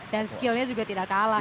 dan skillnya juga tidak kalah ya